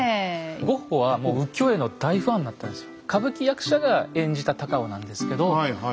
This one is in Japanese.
ゴッホはもう浮世絵の大ファンだったんですよ。